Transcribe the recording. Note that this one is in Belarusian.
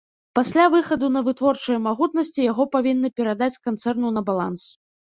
Пасля выхаду на вытворчыя магутнасці яго павінны перадаць канцэрну на баланс.